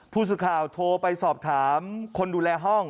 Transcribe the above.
ผู้สื่อข่าวโทรไปสอบถามคนดูแลห้อง